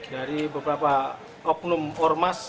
dari beberapa oknum ormas